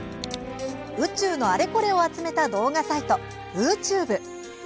宇宙のあれこれを集めた動画サイト、Ｕ宙ｂｅ。